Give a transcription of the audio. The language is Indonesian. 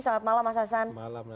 selamat malam mas hasan